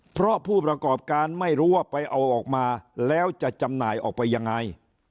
เพราะผู้ประกอบการไม่รู้ว่าไปเอาออกมาแล้วจะจำหน่ายออกไปยังไง